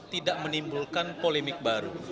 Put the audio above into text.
tidak menimbulkan polemik baru